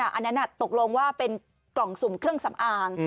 อันนั้นตกลงว่าเป็นกล่องสุ่มเครื่องสำอาง